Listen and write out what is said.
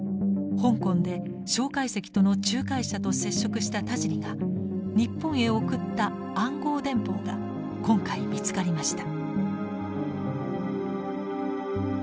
香港で介石との仲介者と接触した田尻が日本へ送った暗号電報が今回見つかりました。